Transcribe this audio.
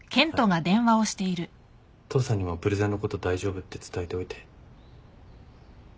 父さんにもプレゼンのこと大丈夫って伝えておいて。